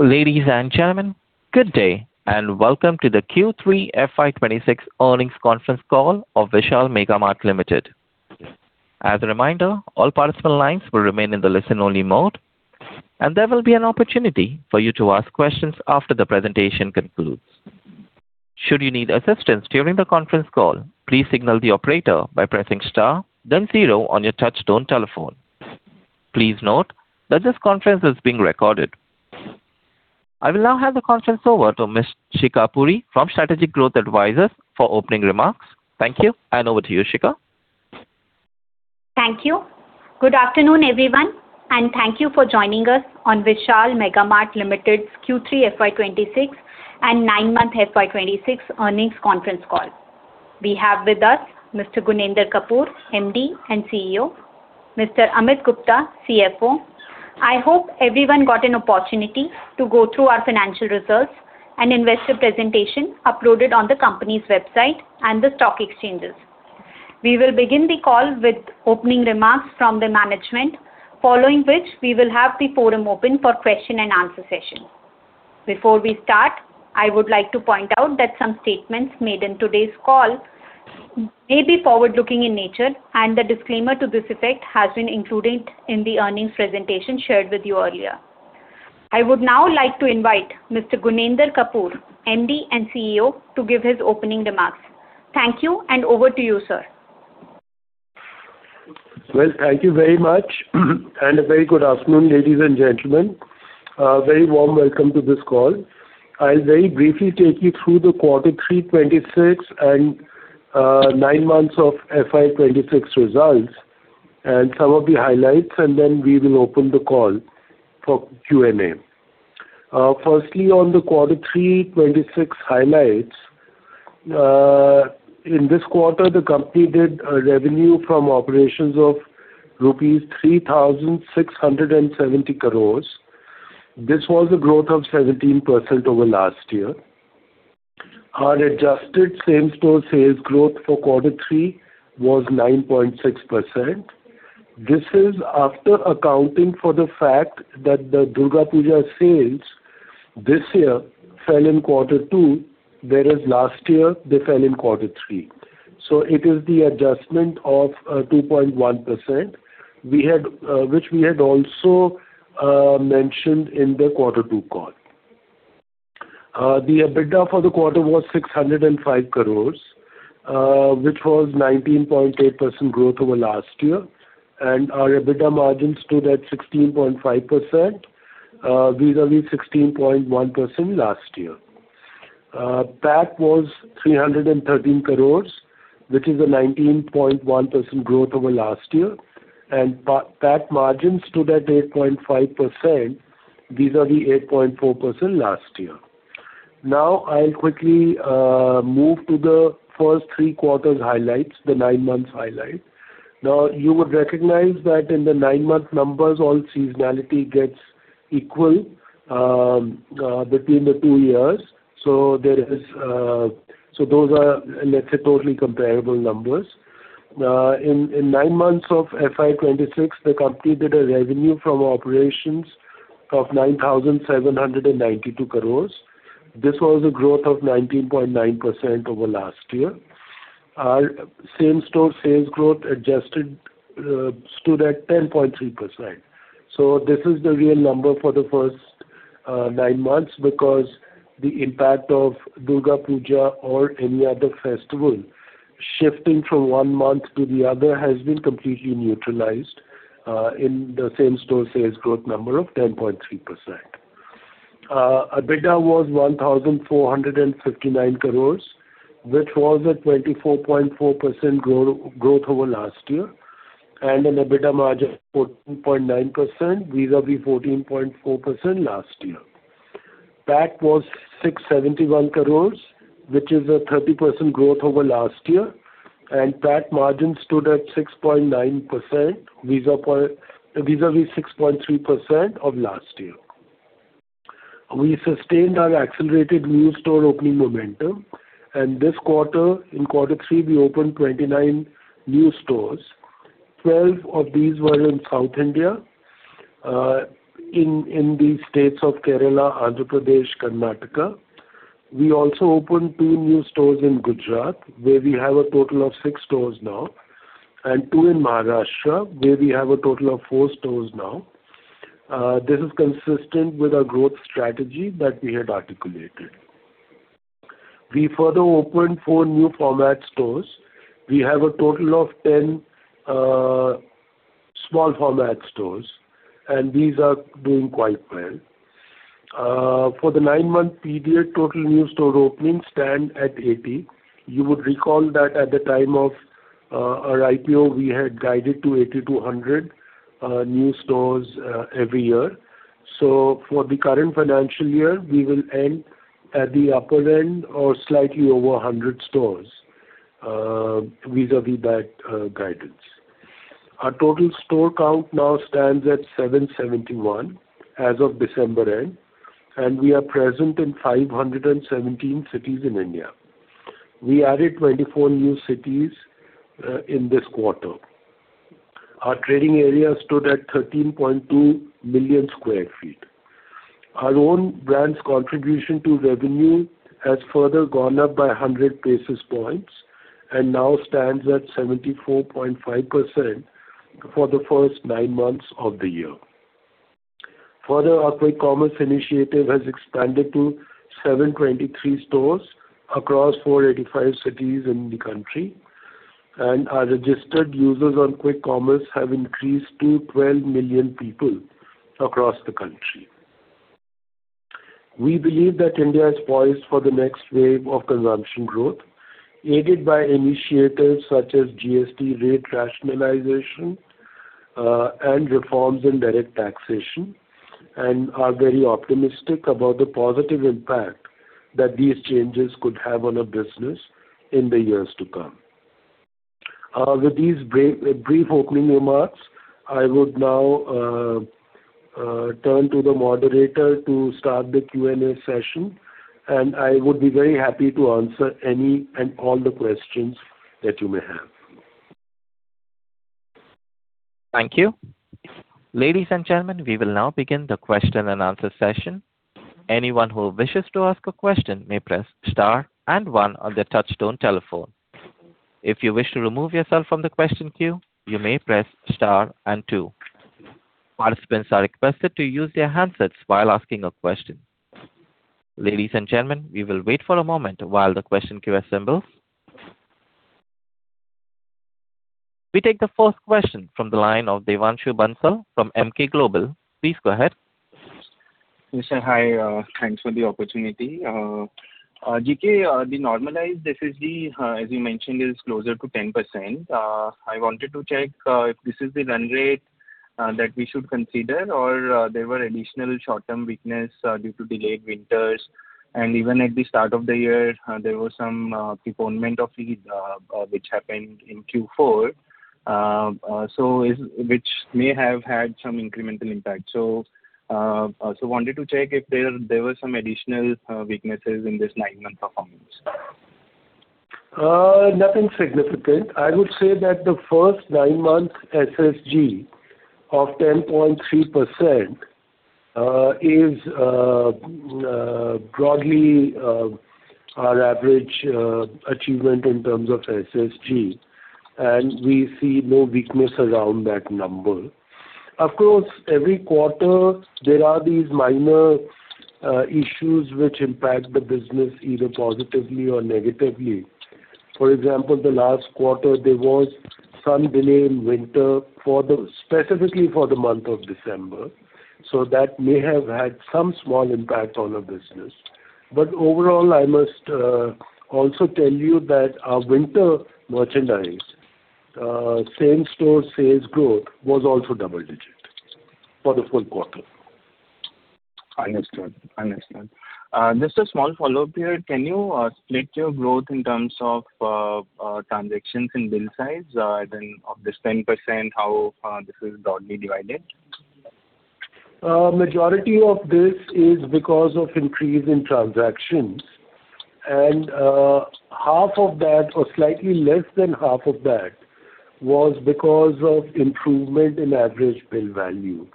Ladies and gentlemen, good day, and welcome to the Q3 FY 2026 earnings conference call of Vishal Mega Mart Limited. As a reminder, all participant lines will remain in the listen-only mode, and there will be an opportunity for you to ask questions after the presentation concludes. Should you need assistance during the conference call, please signal the operator by pressing star then zero on your touchtone telephone. Please note that this conference is being recorded. I will now hand the conference over to Ms. Shikha Puri from Strategic Growth Advisors for opening remarks. Thank you, and over to you, Shikha. Thank you. Good afternoon, everyone, and thank you for joining us on Vishal Mega Mart Limited's Q3 FY 2026 and nine-month FY 2026 earnings conference call. We have with us Mr. Guninder Kapur, MD and CEO, Mr. Amit Gupta, CFO. I hope everyone got an opportunity to go through our financial results and investor presentation uploaded on the company's website and the stock exchanges. We will begin the call with opening remarks from the management, following which we will have the forum open for question and answer session. Before we start, I would like to point out that some statements made in today's call may be forward-looking in nature, and the disclaimer to this effect has been included in the earnings presentation shared with you earlier. I would now like to invite Mr. Guninder Kapur, MD and CEO, to give his opening remarks. Thank you, and over to you, sir. Well, thank you very much, and a very good afternoon, ladies and gentlemen. Very warm welcome to this call. I'll very briefly take you through the quarter three 2026 and nine months of FY 2026 results and some of the highlights, and then we will open the call for Q&A. Firstly, on the quarter three 2026 highlights, in this quarter, the company did a revenue from operations of rupees 3,670 crores. This was a growth of 17% over last year. Our adjusted same-store sales growth for quarter three was 9.6%. This is after accounting for the fact that the Durga Puja sales this year fell in quarter two, whereas last year they fell in quarter three. So it is the adjustment of 2.1%. We had... Which we had also mentioned in the quarter two call. The EBITDA for the quarter was 605 crore, which was 19.8% growth over last year, and our EBITDA margin stood at 16.5%, vis-a-vis 16.1% last year. PAT was 313 crore, which is a 19.1% growth over last year, and PAT margin stood at 8.5%, vis-a-vis 8.4% last year. Now, I'll quickly move to the first three quarters highlights, the nine months highlights. Now, you would recognize that in the nine-month numbers, all seasonality gets equal between the two years. So there is, so those are, let's say, totally comparable numbers. In nine months of FY 2026, the company did a revenue from operations of 9,792 crores. This was a growth of 19.9% over last year. Our same-store sales growth adjusted stood at 10.3%. So this is the real number for the first nine months, because the impact of Durga Puja or any other festival shifting from one month to the other has been completely neutralized in the same-store sales growth number of 10.3%. EBITDA was 1,459 crores, which was a 24.4% growth over last year, and an EBITDA margin of 2.9%, vis-à-vis 14.4% last year. PAT was 671 crores, which is a 30% growth over last year, and PAT margin stood at 6.9%, vis-à-vis 6.3% of last year. We sustained our accelerated new store opening momentum, and this quarter, in quarter three, we opened 29 new stores. 12 of these were in South India, in the states of Kerala, Andhra Pradesh, Karnataka. We also opened 2 new stores in Gujarat, where we have a total of 6 stores now, and 2 in Maharashtra, where we have a total of 4 stores now. This is consistent with our growth strategy that we had articulated. We further opened 4 new format stores. We have a total of 10 small format stores, and these are doing quite well. For the nine-month period, total new store openings stand at 80. You would recall that at the time of our IPO, we had guided to 80-100 new stores every year. So for the current financial year, we will end at the upper end or slightly over 100 stores vis-a-vis that guidance. Our total store count now stands at 771 as of December end, and we are present in 517 cities in India. We added 24 new cities in this quarter. Our trading area stood at 13.2 million sq ft. Our own brand's contribution to revenue has further gone up by 100 basis points, and now stands at 74.5% for the first nine months of the year. Further, our quick commerce initiative has expanded to 723 stores across 485 cities in the country, and our registered users on quick commerce have increased to 12 million people across the country. We believe that India is poised for the next wave of consumption growth, aided by initiatives such as GST rate rationalization, and reforms in direct taxation, and are very optimistic about the positive impact that these changes could have on our business in the years to come. With these brief opening remarks, I would now turn to the moderator to start the Q&A session, and I would be very happy to answer any and all the questions that you may have. Thank you. Ladies and gentlemen, we will now begin the question and answer session. Anyone who wishes to ask a question may press star and one on their touchtone telephone. If you wish to remove yourself from the question queue, you may press star and two. Participants are requested to use their handsets while asking a question. Ladies and gentlemen, we will wait for a moment while the question queue assembles. We take the first question from the line of Devanshu Bansal from Emkay Global. Please go ahead. Yes, sir. Hi, thanks for the opportunity. GK, the normalized SSG, as you mentioned, is closer to 10%. I wanted to check if this is the run rate that we should consider, or there were additional short-term weakness due to delayed winters. And even at the start of the year, there was some postponement of these, which happened in Q4, which may have had some incremental impact. So, so wanted to check if there were some additional weaknesses in this nine-month performance? Nothing significant. I would say that the first nine-month SSG of 10.3%, is broadly our average achievement in terms of SSG, and we see no weakness around that number. Of course, every quarter there are these minor issues which impact the business either positively or negatively. For example, the last quarter, there was some delay in winter for the specifically for the month of December, so that may have had some small impact on our business. But overall, I must also tell you that our winter merchandise same-store sales growth was also double-digit for the full quarter. Understood. Understood. Just a small follow-up here: Can you split your growth in terms of transactions in bill size, then of this 10%, how this is broadly divided? Majority of this is because of increase in transactions, and half of that, or slightly less than half of that, was because of improvement in average bill value.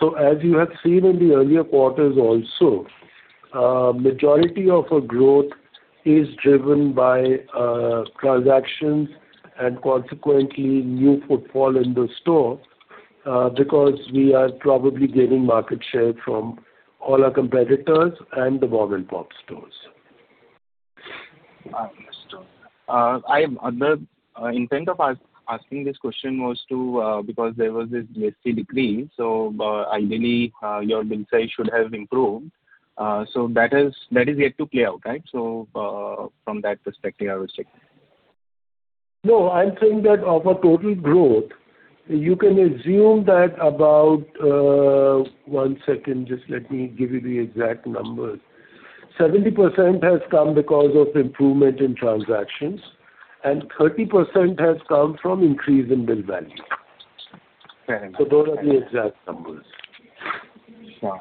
So as you have seen in the earlier quarters also, majority of our growth is driven by transactions and consequently new footfall in the store, because we are probably gaining market share from all our competitors and the mom-and-pop stores. Understood. The intent of asking this question was to, because there was this GST decree, so, ideally, your bill size should have improved. So that is, that is yet to play out, right? So, from that perspective, I was checking. No, I'm saying that of a total growth, you can assume that about. One second, just let me give you the exact numbers. 70% has come because of improvement in transactions, and 30% has come from increase in bill value. Fair enough. Those are the exact numbers. Sure.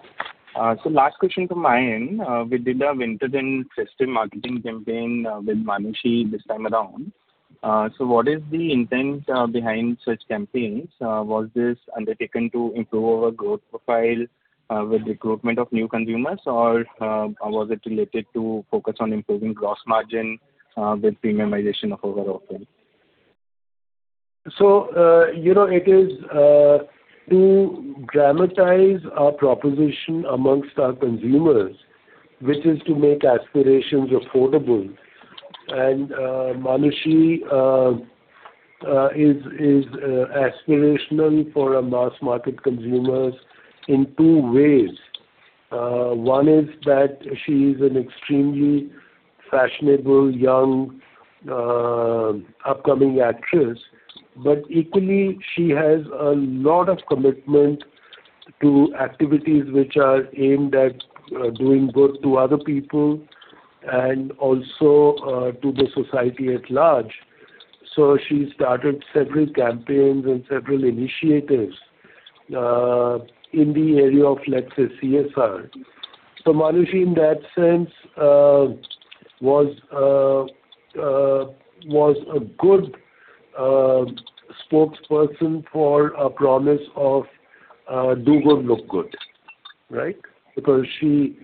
So last question from my end. We did a winter denim season marketing campaign, with Manushi this time around. So what is the intent behind such campaigns? Was this undertaken to improve our growth profile, with recruitment of new consumers, or was it related to focus on improving gross margin, with premiumization of our offering? So, you know, it is to dramatize our proposition amongst our consumers, which is to make aspirations affordable. And, Manushi is aspirational for our mass market consumers in two ways. One is that she is an extremely fashionable, young, upcoming actress, but equally, she has a lot of commitment to activities which are aimed at doing good to other people and also to the society at large. So she started several campaigns and several initiatives in the area of, let's say, CSR. So Manushi, in that sense, was a good spokesperson for a promise of do good, look good, right? Because she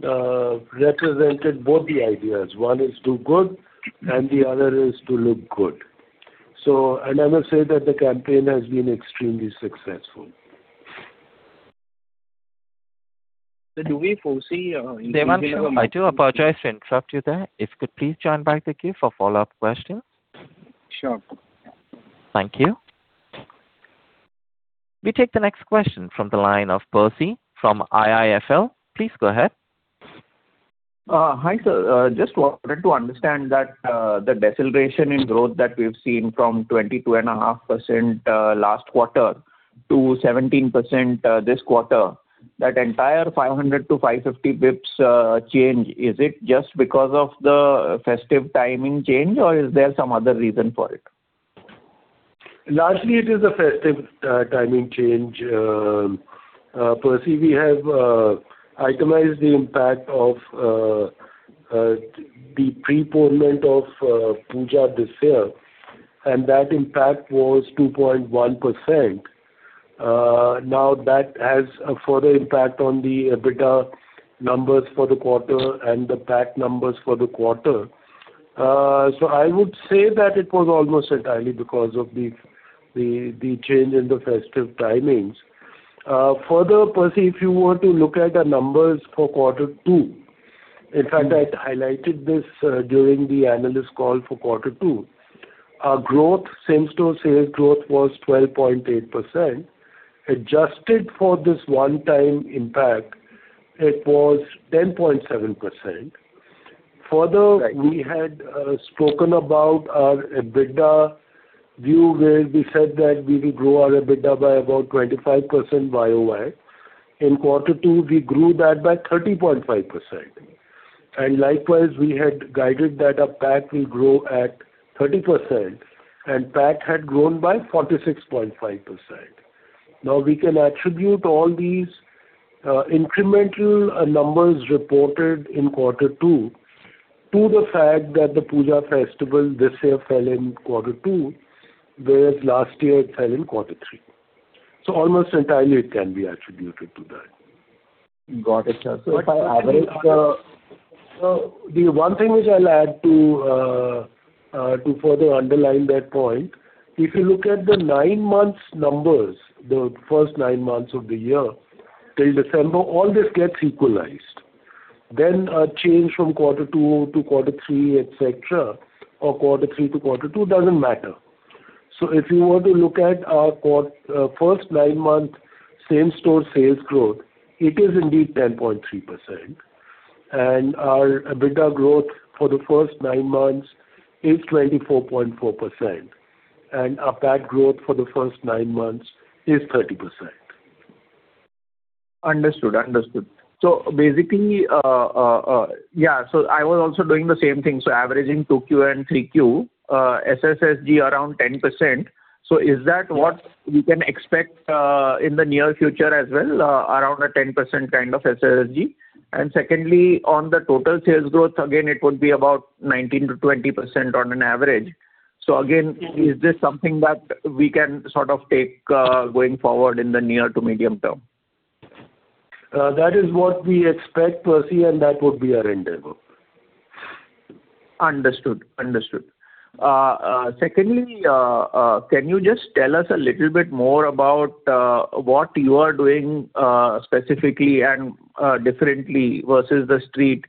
represented both the ideas. One is do good, and the other is to look good. So and I must say that the campaign has been extremely successful. So do we foresee? Devanshu, I do apologize to interrupt you there. If you could please join back the queue for follow-up questions. Sure. Thank you. We take the next question from the line of Percy from IIFL. Please go ahead. Hi, sir. Just wanted to understand that, the deceleration in growth that we've seen from 22.5%, last quarter to 17%, this quarter, that entire 500-550 basis points change, is it just because of the festive timing change, or is there some other reason for it? Largely, it is a festive, timing change. Percy, we have itemized the impact of the postponement of Puja this year, and that impact was 2.1%. Now, that has a further impact on the EBITDA numbers for the quarter and the PAT numbers for the quarter. So I would say that it was almost entirely because of the change in the festive timings. Further, Percy, if you were to look at the numbers for quarter two, in fact, I highlighted this during the analyst call for quarter two. Our growth, same-store sales growth was 12.8%. Adjusted for this one-time impact, it was 10.7%. Further- Right. We had spoken about our EBITDA view, where we said that we will grow our EBITDA by about 25% YOY. In quarter two, we grew that by 30.5%. And likewise, we had guided that our PAT will grow at 30%, and PAT had grown by 46.5%. Now, we can attribute all these incremental numbers reported in quarter two to the fact that the Puja festival this year fell in quarter two, whereas last year it fell in quarter three. So almost entirely it can be attributed to that. Got it, sir. So the one thing which I'll add to, to further underline that point, if you look at the nine months numbers, the first nine months of the year, till December, all this gets equalized. Then, a change from quarter two to quarter three, et cetera, or quarter three to quarter two, doesn't matter. So if you were to look at our first nine-month same-store sales growth, it is indeed 10.3%, and our EBITDA growth for the first nine months is 24.4%, and our PAT growth for the first nine months is 30%. Understood, understood. So basically, yeah, so I was also doing the same thing, so averaging 2Q and 3Q SSSG around 10%. So is that what we can expect in the near future as well, around a 10% kind of SSSG? And secondly, on the total sales growth, again, it would be about 19%-20% on an average. So again, is this something that we can sort of take going forward in the near to medium term? That is what we expect, Percy, and that would be our endeavor. Understood. Understood. Secondly, can you just tell us a little bit more about what you are doing specifically and differently versus the street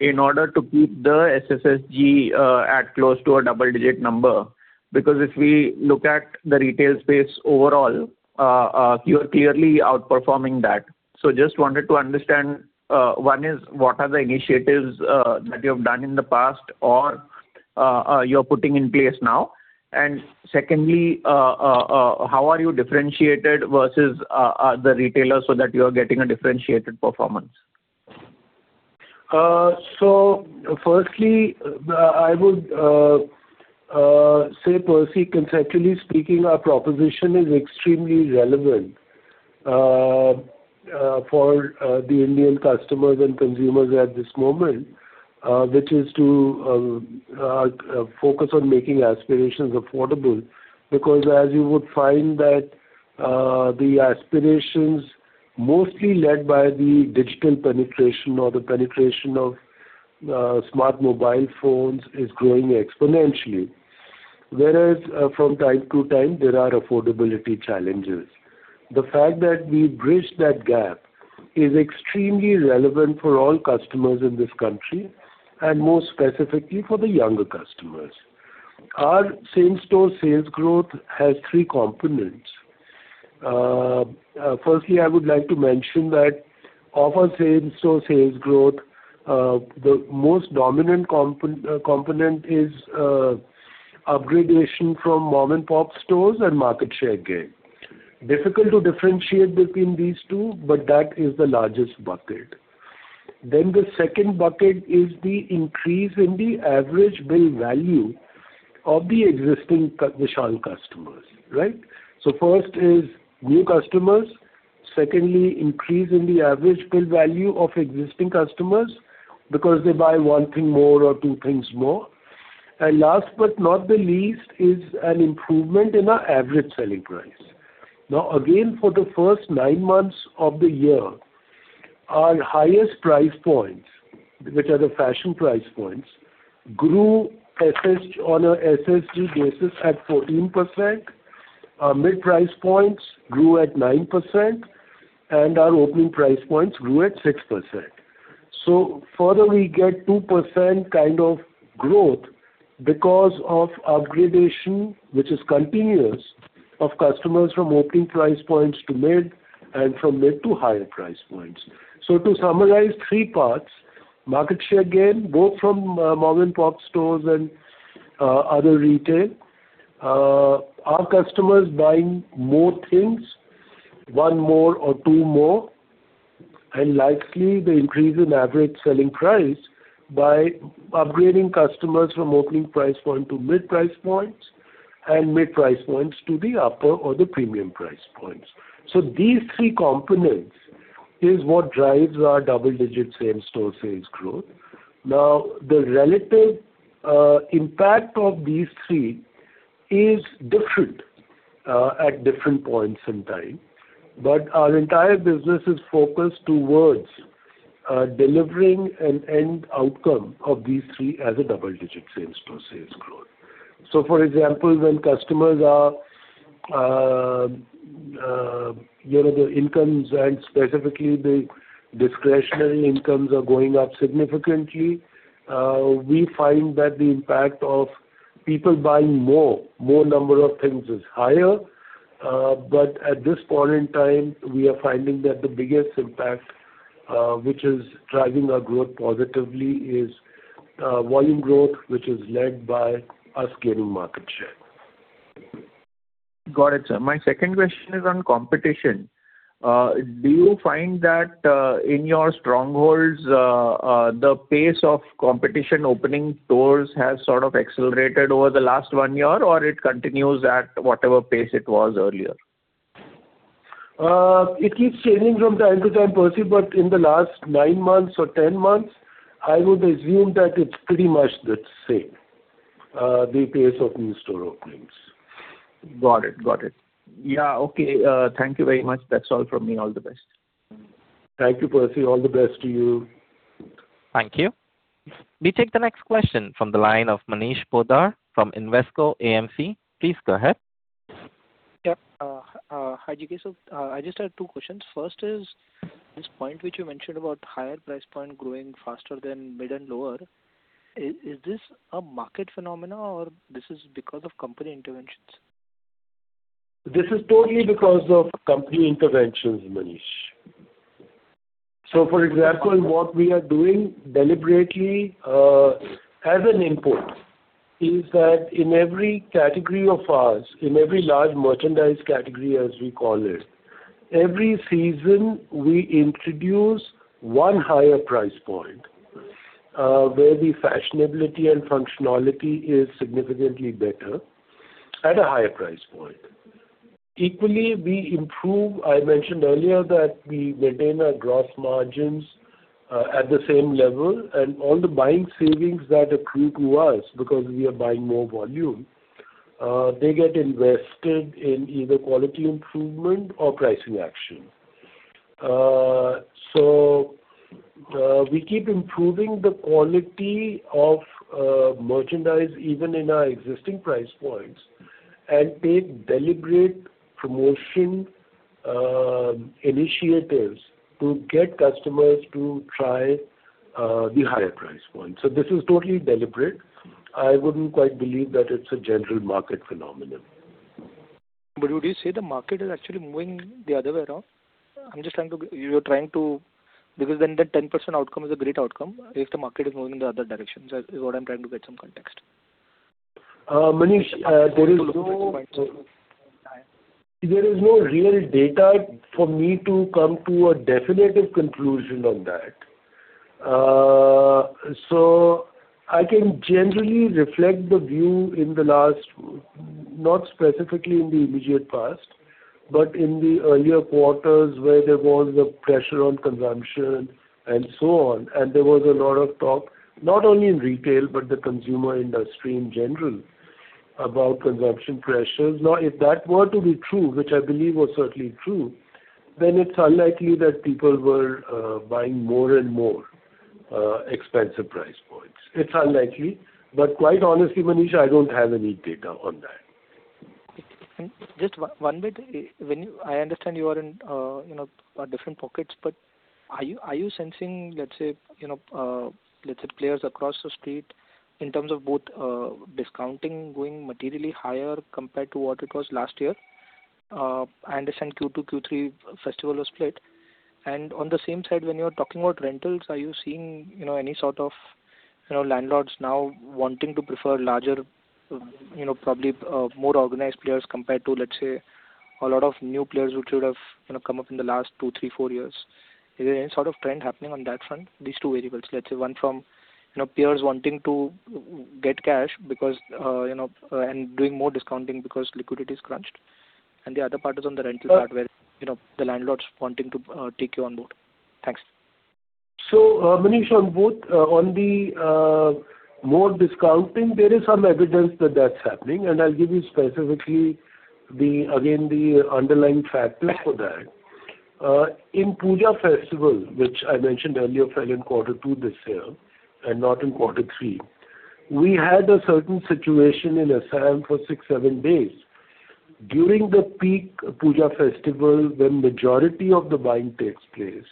in order to keep the SSSG at close to a double-digit number? Because if we look at the retail space overall, you're clearly outperforming that. So just wanted to understand, one is, what are the initiatives that you have done in the past or you're putting in place now? And secondly, how are you differentiated versus other retailers so that you are getting a differentiated performance? So firstly, I would say, Percy, conceptually speaking, our proposition is extremely relevant for the Indian customers and consumers at this moment, which is to focus on making aspirations affordable. Because as you would find that, the aspirations mostly led by the digital penetration or the penetration of smart mobile phones, is growing exponentially. Whereas, from time to time, there are affordability challenges. The fact that we bridge that gap is extremely relevant for all customers in this country, and more specifically for the younger customers. Our same-store sales growth has three components. Firstly, I would like to mention that of our same-store sales growth, the most dominant component is upgradation from mom-and-pop stores and market share gain. Difficult to differentiate between these two, but that is the largest bucket.... Then the second bucket is the increase in the average bill value of the existing Vishal customers, right? So first is new customers. Secondly, increase in the average bill value of existing customers because they buy one thing more or two things more. And last but not the least, is an improvement in our average selling price. Now, again, for the first nine months of the year, our highest price points, which are the fashion price points, grew on a SSG basis at 14%, our mid price points grew at 9%, and our opening price points grew at 6%. So further we get 2% kind of growth because of upgradation, which is continuous, of customers from opening price points to mid and from mid to higher price points. So to summarize three parts, market share gain, both from mom-and-pop stores and other retail. Our customers buying more things, one more or two more, and likely the increase in average selling price by upgrading customers from opening price point to mid price points, and mid price points to the upper or the premium price points. So these three components is what drives our double-digit same-store sales growth. Now, the relative impact of these three is different at different points in time, but our entire business is focused towards delivering an end outcome of these three as a double-digit same-store sales growth. So for example, when customers are, you know, the incomes and specifically the discretionary incomes are going up significantly, we find that the impact of people buying more, more number of things is higher. At this point in time, we are finding that the biggest impact, which is driving our growth positively, is volume growth, which is led by us gaining market share. Got it, sir. My second question is on competition. Do you find that, in your strongholds, the pace of competition opening stores has sort of accelerated over the last one year, or it continues at whatever pace it was earlier? It keeps changing from time to time, Percy, but in the last nine months or 10 months, I would assume that it's pretty much the same, the pace of new store openings. Got it. Got it. Yeah, okay, thank you very much. That's all from me. All the best. Thank you, Percy. All the best to you. Thank you. We take the next question from the line of Manish Poddar from Invesco AMC. Please go ahead. Yeah, hi, GK, sir. I just had two questions. First is, this point which you mentioned about higher price point growing faster than mid and lower, is this a market phenomenon or this is because of company interventions? This is totally because of company interventions, Manish. So, for example, what we are doing deliberately, as an input, is that in every category of ours, in every large merchandise category, as we call it, every season, we introduce one higher price point, where the fashionability and functionality is significantly better at a higher price point. Equally, we improve... I mentioned earlier that we maintain our gross margins, at the same level, and all the buying savings that accrue to us because we are buying more volume, they get invested in either quality improvement or pricing action. So, we keep improving the quality of, merchandise, even in our existing price points, and take deliberate promotion, initiatives to get customers to try, the higher price point. So this is totally deliberate. I wouldn't quite believe that it's a general market phenomenon. But would you say the market is actually moving the other way around? I'm just trying to—you're trying to... Because then the 10% outcome is a great outcome if the market is moving in the other direction. That is what I'm trying to get some context. Manish, there is no, there is no real data for me to come to a definitive conclusion on that. So I can generally reflect the view in the last, not specifically in the immediate past, but in the earlier quarters, where there was a pressure on consumption and so on. And there was a lot of talk, not only in retail, but the consumer industry in general, about consumption pressures. Now, if that were to be true, which I believe was certainly true, then it's unlikely that people were, buying more and more, expensive price points. It's unlikely, but quite honestly, Manish, I don't have any data on that. Just one bit. When you, I understand you are in, you know, different pockets, but are you, are you sensing, let's say, you know, let's say, players across the street in terms of both, discounting going materially higher compared to what it was last year? I understand Q2, Q3 festival was split. And on the same side, when you are talking about rentals, are you seeing, you know, any sort of, you know, landlords now wanting to prefer larger, you know, probably, more organized players compared to, let's say, a lot of new players which would have, you know, come up in the last 2, 3, 4 years. Is there any sort of trend happening on that front? These two variables, let's say one from, you know, players wanting to get cash because, you know, and doing more discounting because liquidity is crunched, and the other part is on the rental part where, you know, the landlords wanting to, take you on board. Thanks. So, Manish, on both, on the more discounting, there is some evidence that that's happening, and I'll give you specifically the, again, the underlying factors for that. In Puja festival, which I mentioned earlier, fell in quarter two this year and not in quarter three, we had a certain situation in Assam for six, seven days. During the peak Puja festival, when majority of the buying takes place,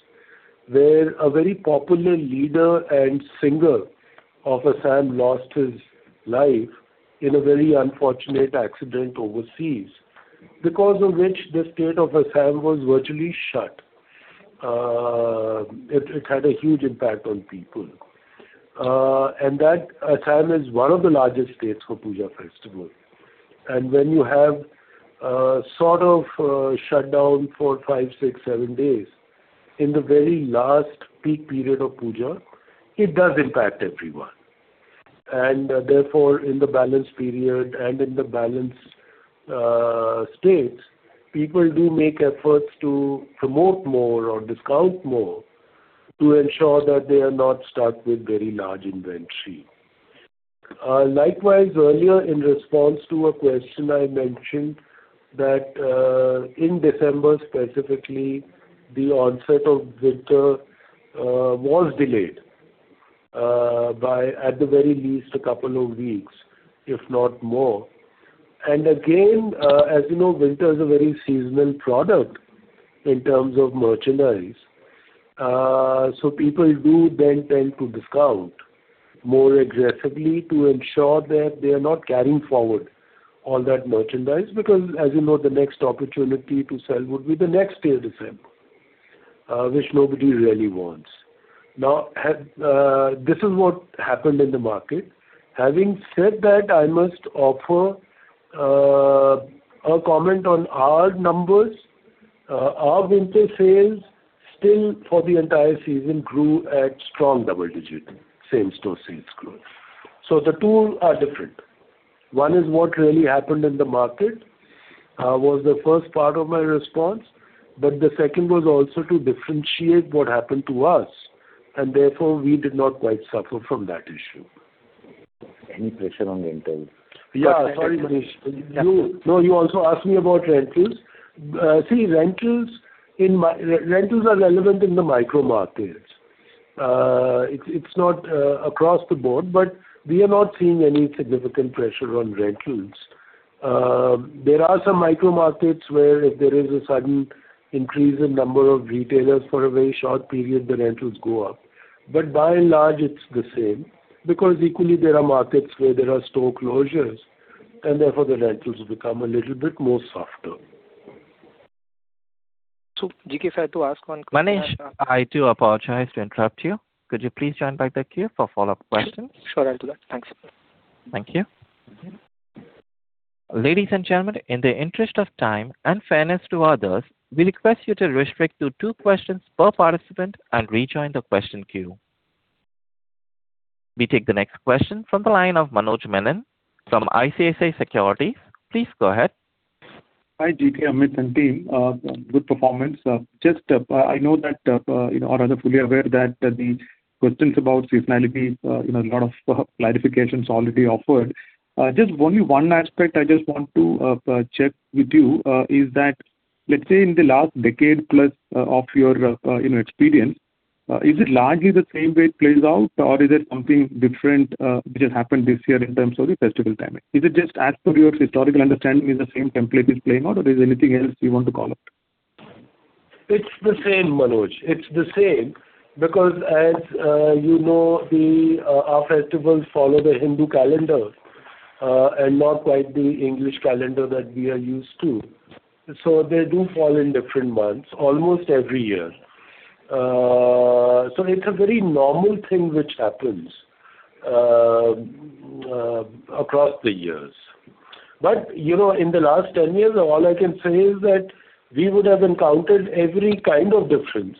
where a very popular leader and singer of Assam lost his life in a very unfortunate accident overseas, because of which the state of Assam was virtually shut. It had a huge impact on people. And that, Assam is one of the largest states for Puja festival. And when you have, sort of, shutdown for five, six, seven days in the very last peak period of Puja, it does impact everyone. Therefore, in the balance period and in the balance states, people do make efforts to promote more or discount more to ensure that they are not stuck with very large inventory. Likewise, earlier in response to a question I mentioned that in December, specifically, the onset of winter was delayed by at the very least a couple of weeks, if not more. And again, as you know, winter is a very seasonal product in terms of merchandise. So people do then tend to discount more aggressively to ensure that they are not carrying forward all that merchandise, because, as you know, the next opportunity to sell would be the next year December, which nobody really wants. Now, this is what happened in the market. Having said that, I must offer a comment on our numbers. Our winter sales still for the entire season grew at strong double-digit same-store sales growth. So the two are different. One is what really happened in the market, was the first part of my response, but the second was also to differentiate what happened to us, and therefore we did not quite suffer from that issue. Any pressure on the rentals? Yeah, sorry, Manish. Yeah. No, you also asked me about rentals. See, rentals are relevant in the micro markets. It's not across the board, but we are not seeing any significant pressure on rentals. There are some micro markets where if there is a sudden increase in number of retailers for a very short period, the rentals go up. But by and large, it's the same, because equally there are markets where there are store closures, and therefore the rentals become a little bit more softer. GK, if I had to ask one question- Manish, I too apologize to interrupt you. Could you please join back the queue for follow-up questions? Sure, I'll do that. Thanks. Thank you. Ladies and gentlemen, in the interest of time and fairness to others, we request you to restrict to two questions per participant and rejoin the question queue. We take the next question from the line of Manoj Menon from ICICI Securities. Please go ahead. Hi, GK, Amit, and team, good performance. Just, I know that, you know, or are fully aware that, that the questions about seasonality, you know, a lot of clarifications already offered. Just only one aspect I just want to check with you, is that, let's say in the last decade plus, of your, you know, experience, is it largely the same way it plays out, or is it something different, which has happened this year in terms of the festival timing? Is it just as per your historical understanding, is the same template is playing out, or is there anything else you want to call out? It's the same, Manoj. It's the same, because as you know, our festivals follow the Hindu calendar, and not quite the English calendar that we are used to. So they do fall in different months, almost every year. So it's a very normal thing which happens, across the years. But, you know, in the last 10 years, all I can say is that we would have encountered every kind of difference.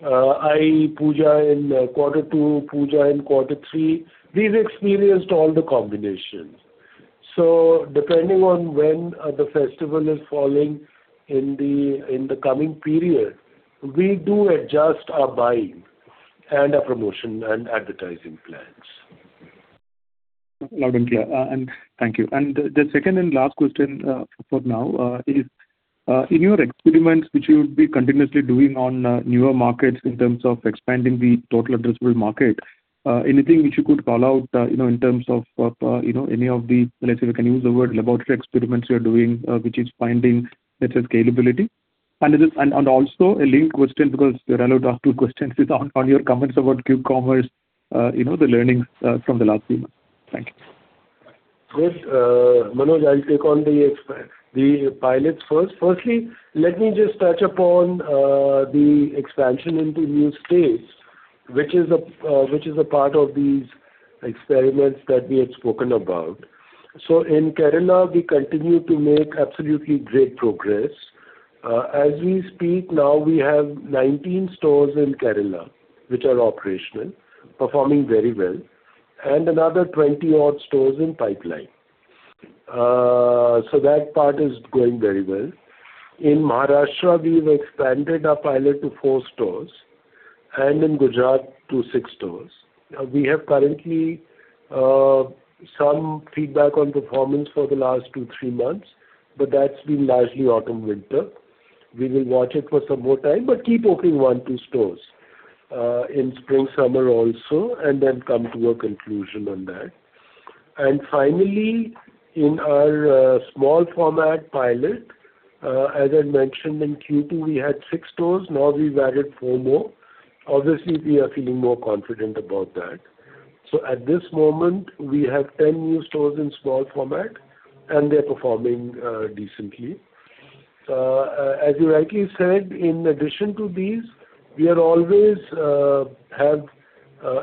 I.e., Puja in quarter two, Puja in quarter three, we've experienced all the combinations. So depending on when the festival is falling in the coming period, we do adjust our buying and our promotion and advertising plans.... Loud and clear. And thank you. And the second and last question, for now, is in your experiments, which you would be continuously doing on newer markets in terms of expanding the total addressable market, anything which you could call out, you know, in terms of, you know, any of the, let's say, we can use the word laboratory experiments you're doing, which is finding, let's say, scalability? And it is and also a linked question, because you're allowed to ask two questions, is on your comments about Q-commerce, you know, the learnings from the last few months. Thank you.... Good, Manoj, I'll take on the pilots first. Firstly, let me just touch upon the expansion into new states, which is a part of these experiments that we had spoken about. So in Kerala, we continue to make absolutely great progress. As we speak now, we have 19 stores in Kerala, which are operational, performing very well, and another 20-odd stores in pipeline. So that part is going very well. In Maharashtra, we've expanded our pilot to 4 stores, and in Gujarat to 6 stores. Now, we have currently some feedback on performance for the last 2, 3 months, but that's been largely autumn, winter. We will watch it for some more time, but keep opening 1, 2 stores in spring, summer also, and then come to a conclusion on that. Finally, in our small format pilot, as I mentioned in Q2, we had 6 stores, now we've added 4 more. Obviously, we are feeling more confident about that. So at this moment, we have 10 new stores in small format, and they're performing decently. As you rightly said, in addition to these, we always have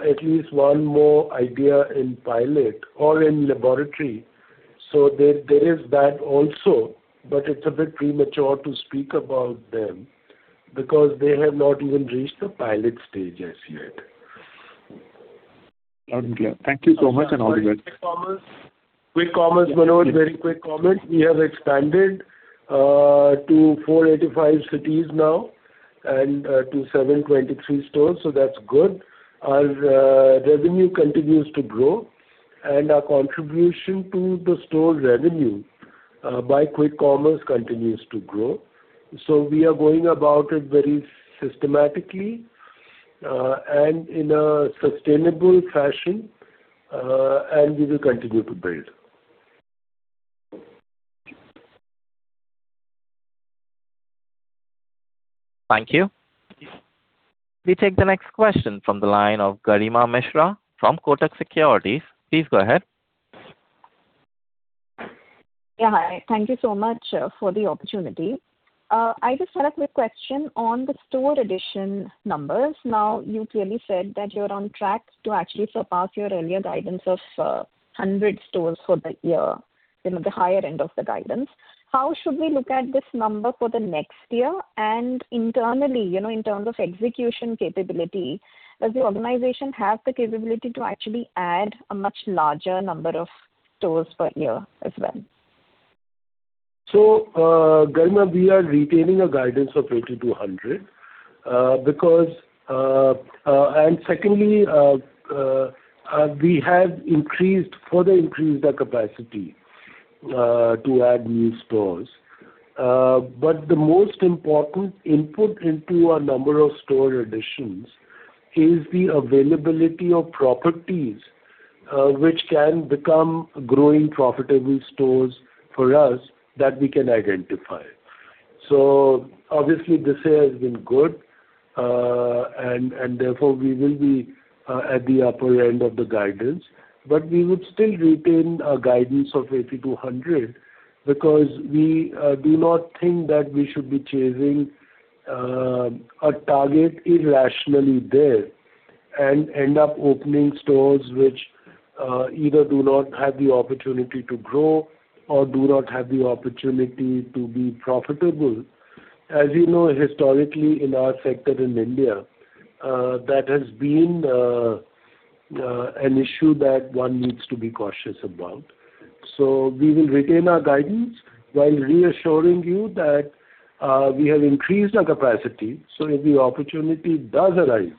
at least one more idea in pilot or in laboratory. So there is that also, but it's a bit premature to speak about them because they have not even reached the pilot stage as yet. Loud and clear. Thank you so much, and all the best. Quick commerce. Quick commerce, Manoj, very quick comment. We have expanded to 485 cities now and to 723 stores, so that's good. Our revenue continues to grow, and our contribution to the store revenue by quick commerce continues to grow. So we are going about it very systematically and in a sustainable fashion, and we will continue to build. Thank you. We take the next question from the line of Garima Mishra from Kotak Securities. Please go ahead. Yeah, hi. Thank you so much for the opportunity. I just had a quick question on the store addition numbers. Now, you clearly said that you're on track to actually surpass your earlier guidance of 100 stores for the year, you know, the higher end of the guidance. How should we look at this number for the next year? And internally, you know, in terms of execution capability, does the organization have the capability to actually add a much larger number of stores per year as well? So, Garima, we are retaining a guidance of 80-100, because... And secondly, we have increased, further increased our capacity, to add new stores. But the most important input into our number of store additions is the availability of properties, which can become growing profitable stores for us, that we can identify. So obviously, this year has been good, and, and therefore, we will be, at the upper end of the guidance. But we would still retain our guidance of 80-100, because we, do not think that we should be chasing, a target irrationally there and end up opening stores which, either do not have the opportunity to grow or do not have the opportunity to be profitable. As you know, historically, in our sector in India, that has been an issue that one needs to be cautious about. So we will retain our guidance while reassuring you that, we have increased our capacity, so if the opportunity does arise,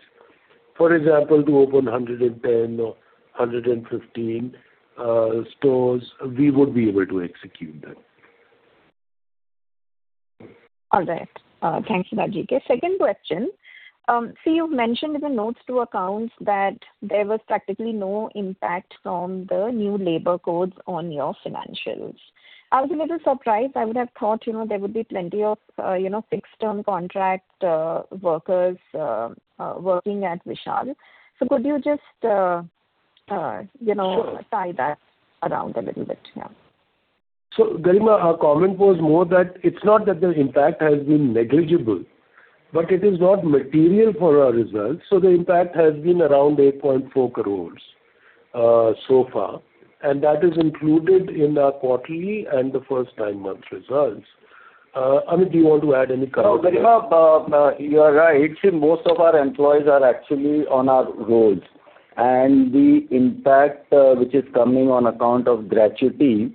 for example, to open 110 or 115 stores, we would be able to execute that. All right. Thank you, Ajay. Okay, second question. So you've mentioned in the notes to accounts that there was practically no impact from the new labor codes on your financials. I was a little surprised. I would have thought, you know, there would be plenty of, you know, fixed-term contract, working at Vishal. So could you just, you know, tie that around a little bit? Yeah. So, Garima, our comment was more that it's not that the impact has been negligible, but it is not material for our results. So the impact has been around 8.4 crore so far, and that is included in our quarterly and the first nine months results. Amit, do you want to add any comment? No, Garima, you are right. See, most of our employees are actually on our rolls, and the impact, which is coming on account of gratuity,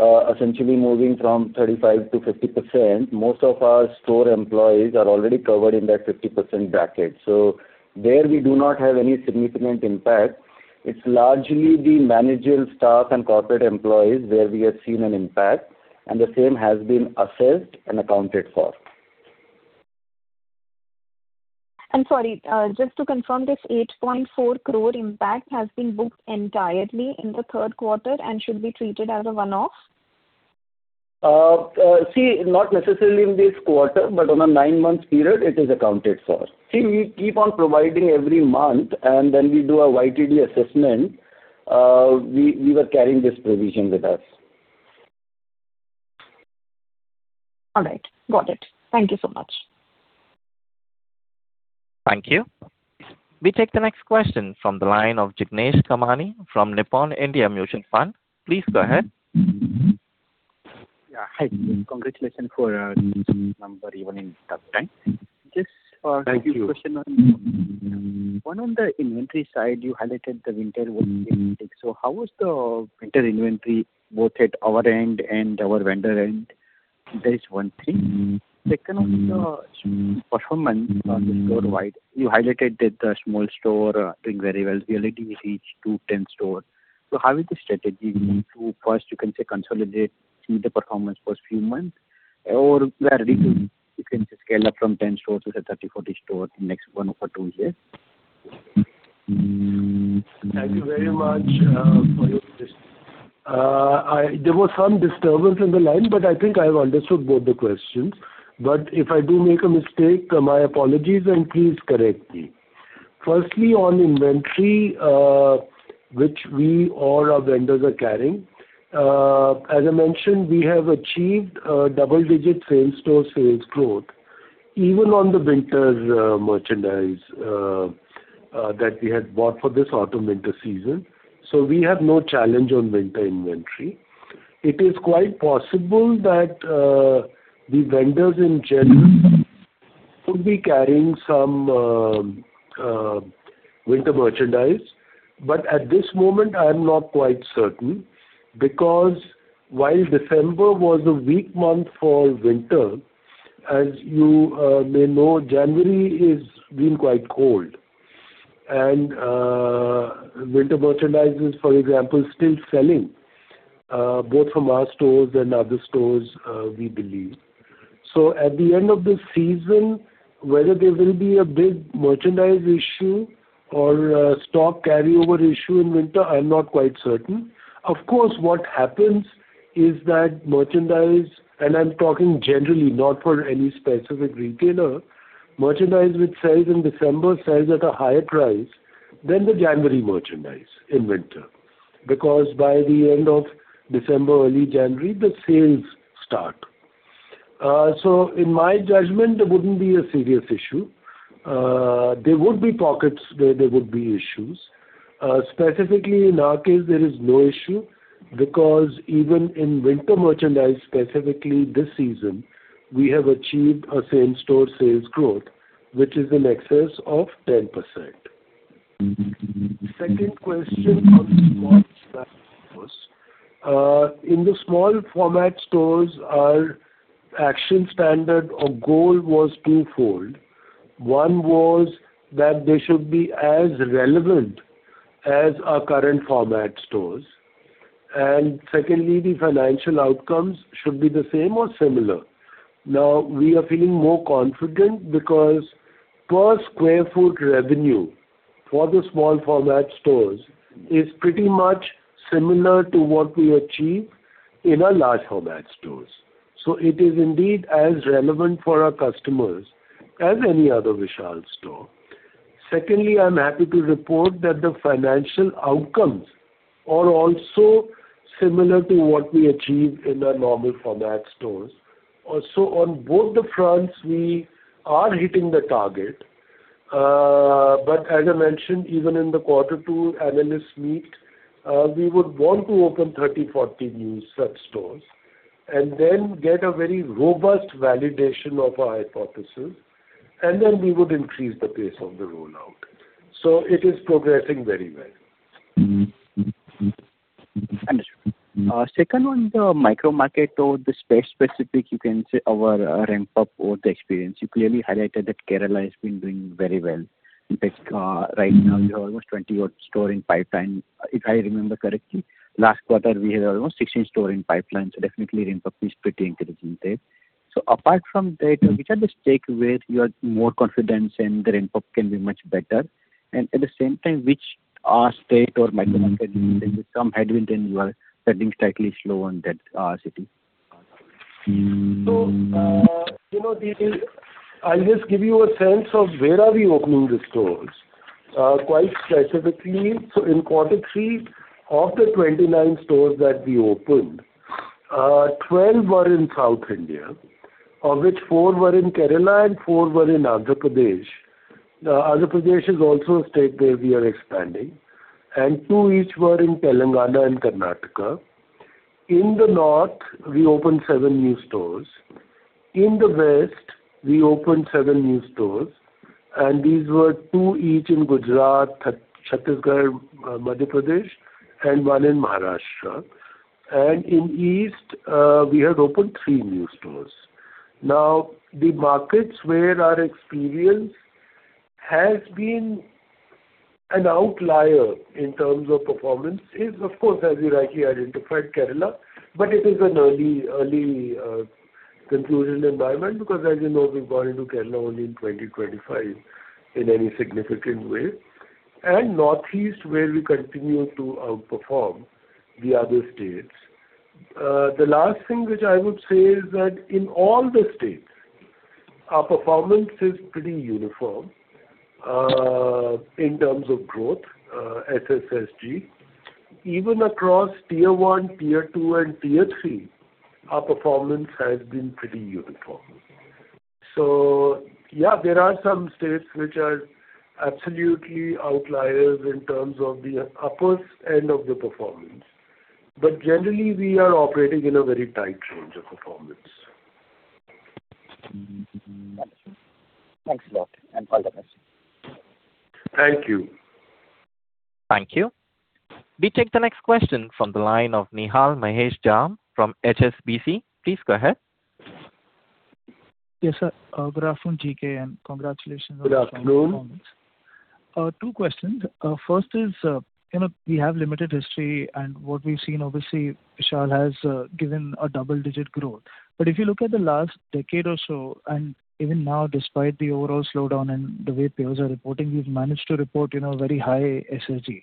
essentially moving from 35% to 50%, most of our store employees are already covered in that 50% bracket. So there, we do not have any significant impact. It's largely the managerial staff and corporate employees where we have seen an impact, and the same has been assessed and accounted for. Sorry, just to confirm, this 8.4 crore impact has been booked entirely in the third quarter and should be treated as a one-off?... See, not necessarily in this quarter, but on a nine-month period, it is accounted for. See, we keep on providing every month, and then we do a YTD assessment, we were carrying this provision with us. All right, got it. Thank you so much. Thank you. We take the next question from the line of Jignesh Kamani from Nippon India Mutual Fund. Please go ahead. Yeah. Hi. Congratulations for number, even in tough time. Thank you. Just a few questions on one, on the inventory side, you highlighted the winter. So how was the winter inventory, both at our end and our vendor end? That is one thing. Second, on the performance on the store wide, you highlighted that the small store doing very well, we already reached to 10 store. So how is the strategy going to, first, you can say, consolidate the performance first few months, or we are ready to, you can scale up from 10 stores to the 30, 40 stores next one or two years? Thank you very much for your question. There was some disturbance in the line, but I think I have understood both the questions. But if I do make a mistake, my apologies, and please correct me. Firstly, on inventory, which we or our vendors are carrying, as I mentioned, we have achieved double-digit same-store sales growth, even on the winter's merchandise, that we had bought for this autumn, winter season. So we have no challenge on winter inventory. It is quite possible that the vendors in general could be carrying some winter merchandise. But at this moment, I am not quite certain, because while December was a weak month for winter, as you may know, January is been quite cold. Winter merchandise, for example, still selling both from our stores and other stores, we believe. At the end of this season, whether there will be a big merchandise issue or stock carryover issue in winter, I'm not quite certain. Of course, what happens is that merchandise, and I'm talking generally, not for any specific retailer, merchandise which sells in December, sells at a higher price than the January merchandise in winter, because by the end of December, early January, the sales start. In my judgment, there wouldn't be a serious issue. There would be pockets where there would be issues. Specifically in our case, there is no issue, because even in winter merchandise, specifically this season, we have achieved a same-store sales growth, which is in excess of 10%. Second question on the small, in the small format stores, our action standard or goal was twofold. One was that they should be as relevant as our current format stores. And secondly, the financial outcomes should be the same or similar. Now, we are feeling more confident because per square feet revenue for the small format stores is pretty much similar to what we achieve in our large format stores. So it is indeed as relevant for our customers as any other Vishal store. Secondly, I'm happy to report that the financial outcomes are also similar to what we achieve in our normal format stores. So on both the fronts, we are hitting the target. But as I mentioned, even in the Quarter Two analyst meet, we would want to open 30-40 new such stores, and then get a very robust validation of our hypothesis, and then we would increase the pace of the rollout. So it is progressing very well. Understood. Second, on the micro market or the space specific, you can say, our ramp up or the experience. You clearly highlighted that Kerala has been doing very well. In fact, right now, we have almost 20 stores in pipeline. If I remember correctly, last quarter, we had almost 16 stores in pipeline, so definitely ramp up is pretty encouraging there. So apart from that, which are the states where you are more confident and the ramp up can be much better? And at the same time, which are states or micro market some headwind, and you are setting slightly slow on that, city? You know, I'll just give you a sense of where are we opening the stores. Quite specifically, so in Quarter Three, of the 29 stores that we opened, 12 were in South India, of which 4 were in Kerala and 4 were in Andhra Pradesh. Andhra Pradesh is also a state where we are expanding, and 2 each were in Telangana and Karnataka. In the North, we opened 7 new stores. In the West, we opened 7 new stores, and these were 2 each in Gujarat, Chhattisgarh, Madhya Pradesh, and 1 in Maharashtra. And in East, we have opened 3 new stores. Now, the markets where our experience has been an outlier in terms of performance is, of course, as you rightly identified, Kerala, but it is an early, early, conclusion environment, because as you know, we've got into Kerala only in 2025 in any significant way... and Northeast, where we continue to outperform the other states. The last thing which I would say is that in all the states, our performance is pretty uniform, in terms of growth, SSSG. Even across tier one, tier two, and tier three, our performance has been pretty uniform. So yeah, there are some states which are absolutely outliers in terms of the upwards end of the performance, but generally, we are operating in a very tight range of performance. Thanks a lot, and all the best. Thank you. Thank you. We take the next question from the line of Nihal Jham from HSBC. Please go ahead. Yes, sir. Good afternoon, GK, and congratulations on the strong performance. Good afternoon. Two questions. First is, you know, we have limited history, and what we've seen, obviously, Vishal has given a double-digit growth. But if you look at the last decade or so, and even now, despite the overall slowdown and the way peers are reporting, we've managed to report, you know, very high SSG.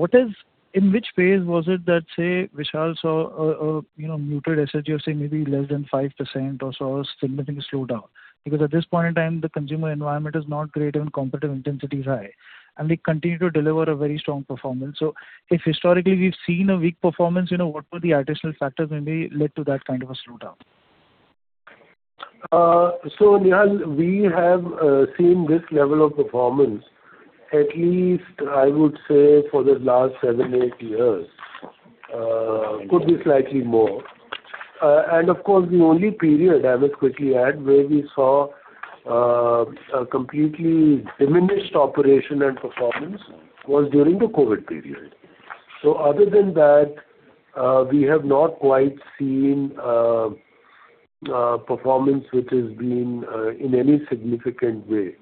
What is— In which phase was it that, say, Vishal saw a, you know, muted SSG of, say, maybe less than 5% or so, or significant slowdown? Because at this point in time, the consumer environment is not great and competitive intensity is high, and we continue to deliver a very strong performance. So if historically we've seen a weak performance, you know, what were the additional factors maybe led to that kind of a slowdown? So, Nihal, we have seen this level of performance at least, I would say, for the last 7, 8 years, could be slightly more. And of course, the only period, I would quickly add, where we saw a completely diminished operation and performance was during the COVID period. So other than that, we have not quite seen performance which has been in any significant way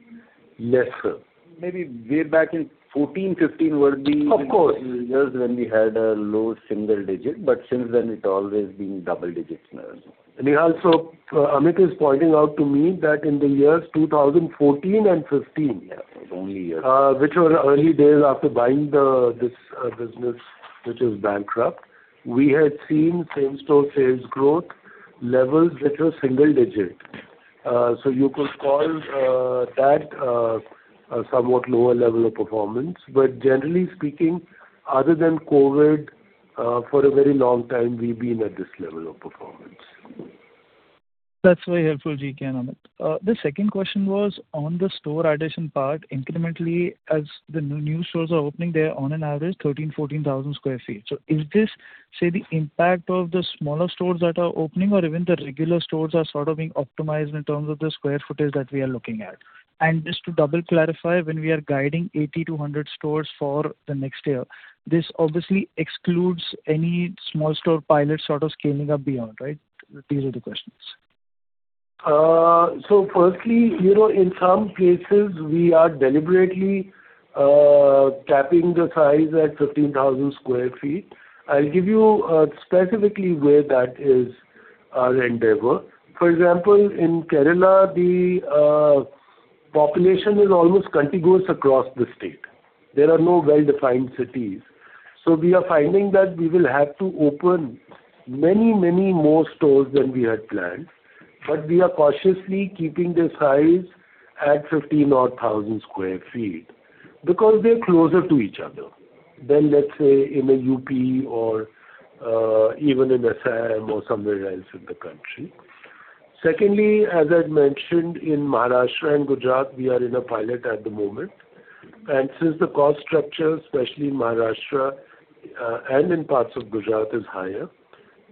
lesser. Maybe way back in 2014, 2015 were the- Of course. -years when we had a low single digit, but since then it's always been double digits. Nihal, so, Amit is pointing out to me that in the years 2014 and 2015- Yes, only years. Which were early days after buying this business, which is bankrupt, we had seen same-store sales growth levels which were single-digit. So you could call that a somewhat lower level of performance. But generally speaking, other than COVID, for a very long time, we've been at this level of performance. That's very helpful, GK and Amit. The second question was on the store addition part, incrementally, as the new stores are opening, they are on an average 13,000 sq ft-14,000 sq ft. So is this, say, the impact of the smaller stores that are opening, or even the regular stores are sort of being optimized in terms of the square footage that we are looking at? And just to double clarify, when we are guiding 80-100 stores for the next year, this obviously excludes any small store pilot sort of scaling up beyond, right? These are the questions. So firstly, you know, in some places we are deliberately capping the size at 15,000 sq ft. I'll give you specifically where that is our endeavor. For example, in Kerala, the population is almost contiguous across the state. There are no well-defined cities. So we are finding that we will have to open many, many more stores than we had planned, but we are cautiously keeping the size at 15-odd thousand sq ft, because they're closer to each other than, let's say, in a UP or even in Assam or somewhere else in the country. Secondly, as I'd mentioned, in Maharashtra and Gujarat, we are in a pilot at the moment, and since the cost structure, especially in Maharashtra, and in parts of Gujarat, is higher,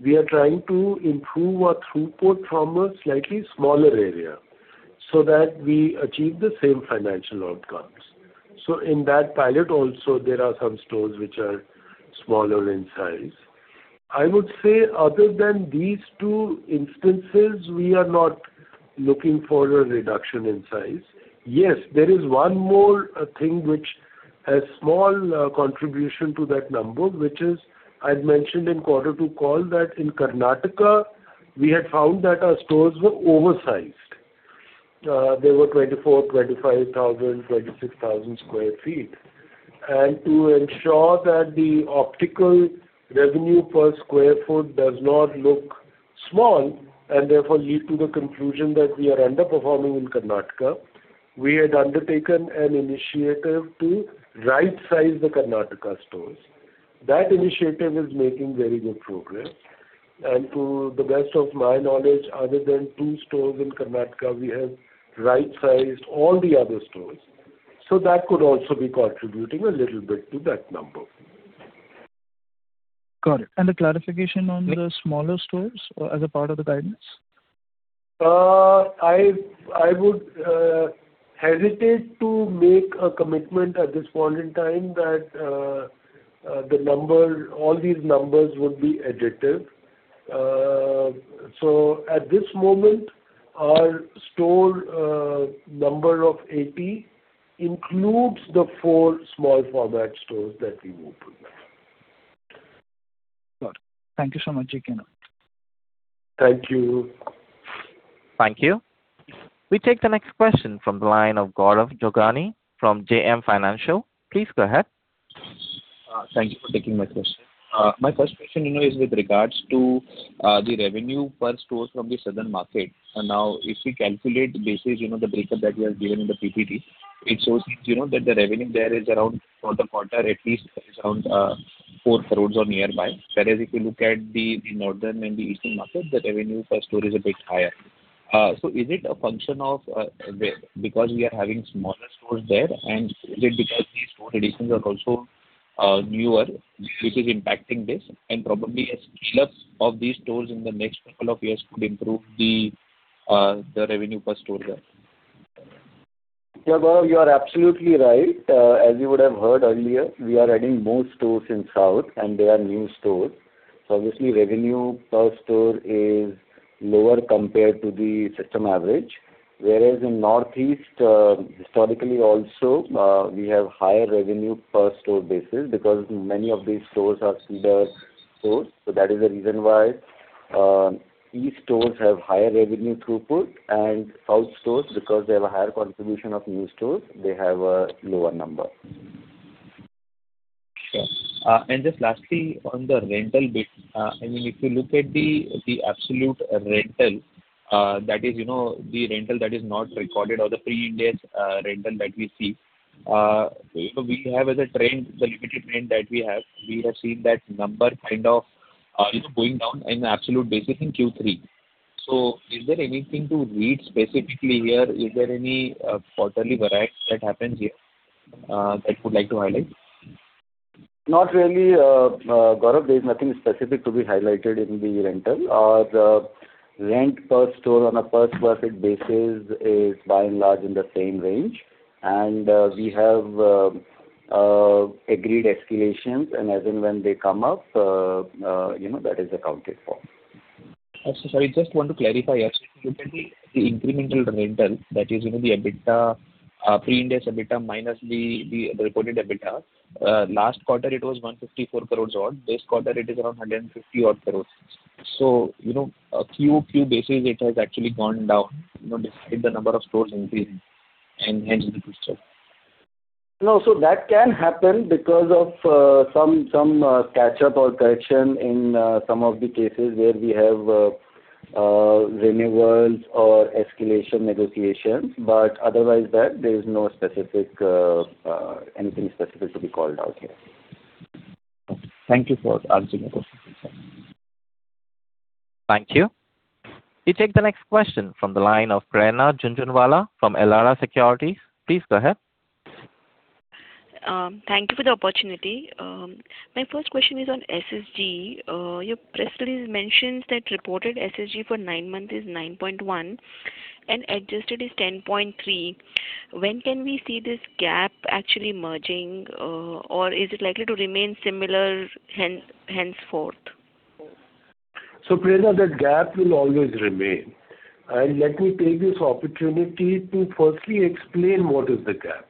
we are trying to improve our throughput from a slightly smaller area so that we achieve the same financial outcomes. So in that pilot also, there are some stores which are smaller in size. I would say other than these two instances, we are not looking for a reduction in size. Yes, there is one more thing which has small contribution to that number, which is, I'd mentioned in Quarter Two call that in Karnataka, we had found that our stores were oversized. They were 24,000, 25,000, 26,000 sq ft. To ensure that the optical revenue per sq ft does not look small, and therefore lead to the conclusion that we are underperforming in Karnataka, we had undertaken an initiative to rightsize the Karnataka stores. That initiative is making very good progress, and to the best of my knowledge, other than two stores in Karnataka, we have rightsized all the other stores. That could also be contributing a little bit to that number. Got it. And the clarification on the smaller stores as a part of the guidance? I would hesitate to make a commitment at this point in time that the number... all these numbers would be additive. So at this moment, our store number of 80 includes the 4 small format stores that we opened.... Sure. Thank you so much, Jignesh. Thank you. Thank you. We take the next question from the line of Gaurav Jogani from JM Financial. Please go ahead. Thank you for taking my question. My first question, you know, is with regards to the revenue per store from the southern market. And now, if we calculate basis, you know, the breakup that you have given in the PPT, it shows, you know, that the revenue there is around for the quarter at least is around 4 crores or nearby. Whereas if you look at the northern and the eastern market, the revenue per store is a bit higher. So is it a function of because we are having smaller stores there, and is it because these store additions are also newer, which is impacting this? And probably a slew of these stores in the next couple of years could improve the revenue per store there. Yeah, Gaurav, you are absolutely right. As you would have heard earlier, we are adding more stores in south, and they are new stores. So obviously, revenue per store is lower compared to the system average. Whereas in northeast, historically also, we have higher revenue per store basis because many of these stores are feeder stores. So that is the reason why, these stores have higher revenue throughput. And south stores, because they have a higher contribution of new stores, they have a lower number. Sure. And just lastly, on the rental base, I mean, if you look at the absolute rental, that is, you know, the rental that is not recorded or the Pre-Ind AS rental that we see, you know, we have as a trend, the limited trend that we have, we have seen that number kind of going down in absolute basis in Q3. So is there anything to read specifically here? Is there any quarterly variance that happens here that you would like to highlight? Not really, Gaurav. There is nothing specific to be highlighted in the rental. The rent per store on a per square feet basis is by and large in the same range, and we have agreed escalations, and as and when they come up, you know, that is accounted for. Sorry, just want to clarify. Actually, if you look at the incremental rental, that is, you know, the EBITDA, pre-Ind AS EBITDA minus the reported EBITDA, last quarter it was 154 crore odd. This quarter it is around 150 crore odd. So, you know, a few basis it has actually gone down, you know, despite the number of stores increasing, and hence the question. No, so that can happen because of some catch up or correction in some of the cases where we have renewals or escalation negotiations. But otherwise than that, there is no specific anything specific to be called out here. Thank you for answering the question. Thank you. We take the next question from the line of Prerna Jhunjhunwala from Elara Securities. Please go ahead. Thank you for the opportunity. My first question is on SSG. Your press release mentions that reported SSG for nine months is 9.1, and adjusted is 10.3. When can we see this gap actually merging, or is it likely to remain similar hence, henceforth? So, Prerna, that gap will always remain. And let me take this opportunity to firstly explain what is the gap.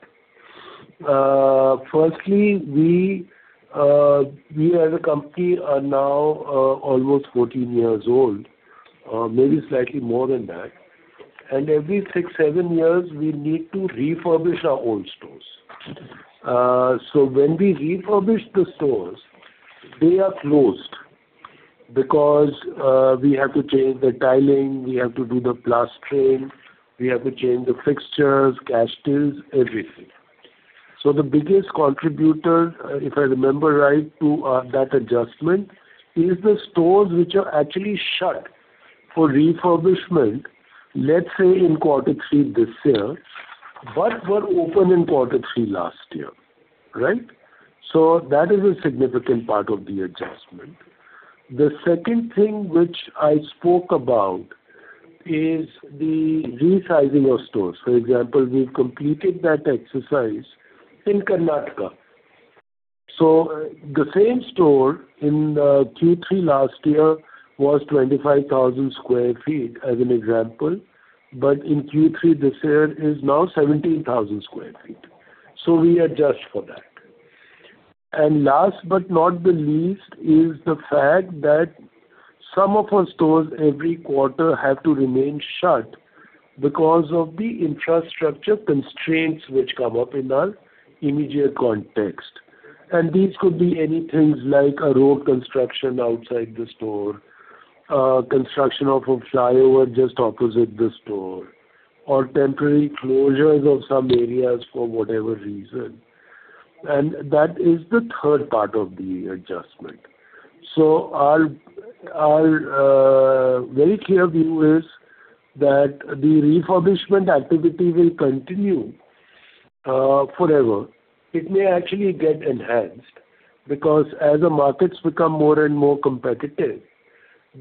Firstly, we as a company are now almost 14 years old, maybe slightly more than that. And every 6-7 years, we need to refurbish our old stores. So when we refurbish the stores, they are closed because we have to change the tiling, we have to do the plastering, we have to change the fixtures, cash tills, everything. So the biggest contributor, if I remember right, to that adjustment is the stores which are actually shut for refurbishment, let's say, in quarter three this year, but were open in quarter three last year, right? So that is a significant part of the adjustment. The second thing which I spoke about is the resizing of stores. For example, we've completed that exercise in Karnataka. So the same store in Q3 last year was 25,000 sq ft, as an example, but in Q3 this year is now 17,000 sq ft, so we adjust for that. Last but not the least is the fact that some of our stores every quarter have to remain shut because of the infrastructure constraints which come up in our immediate context. These could be any things like a road construction outside the store, construction of a flyover just opposite the store, or temporary closures of some areas for whatever reason. That is the third part of the adjustment. So our very clear view is that the refurbishment activity will continue forever. It may actually get enhanced, because as the markets become more and more competitive,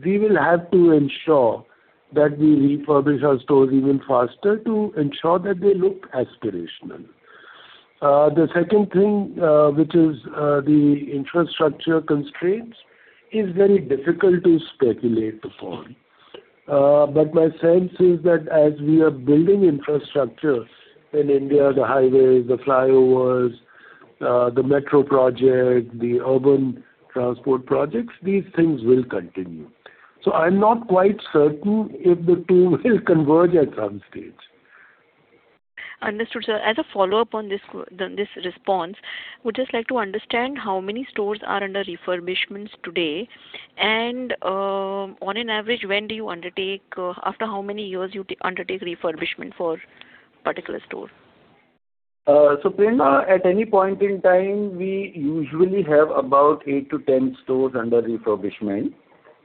we will have to ensure that we refurbish our stores even faster to ensure that they look aspirational. The second thing, which is the infrastructure constraints, is very difficult to speculate upon. But my sense is that as we are building infrastructure in India, the highways, the flyovers, the metro project, the urban transport projects, these things will continue. So I'm not quite certain if the two will converge at some stage. Understood, sir. As a follow-up on this response, would just like to understand how many stores are under refurbishments today, and, on an average, when do you undertake, after how many years you undertake refurbishment for particular store? So Prerna, at any point in time, we usually have about 8-10 stores under refurbishment.